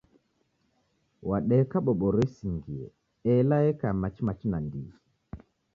Wadeka boboro isingie ela eka ya machi-machi nandighi.